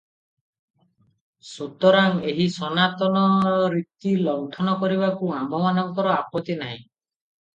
ସୁତରାଂ, ଏହି ସନାତନ ରୀତି ଲଙ୍ଘନ କରିବାକୁ ଆମ୍ଭମାନଙ୍କର ଆପତ୍ତି ନାହିଁ ।